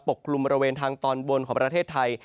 กลุ่มบริเวณทางตอนบนของประเทศไทย